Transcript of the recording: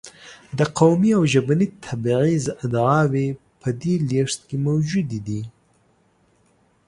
د قومي او ژبني تبعیض ادعاوې په دې لېږد کې موجودې دي.